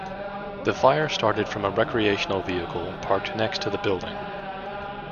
The fire started from a recreational vehicle parked next to the building.